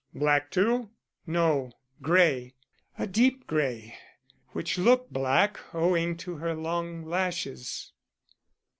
Black too?" "No, gray. A deep gray, which look black owing to her long lashes."